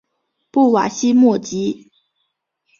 布瓦西莫吉。